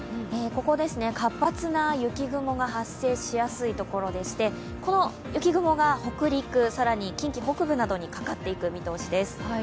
ここ、活発な雪雲が発生しやすいところでして、この雪雲が北陸、更に近畿北部などにかかっていく見通しです。